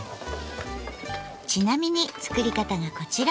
ちなみに作り方がこちら。